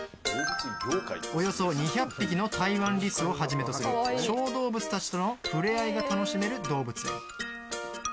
およそ２００匹のタイワンリスをはじめとする小動物たちとの触れ合いが楽しめる動物園。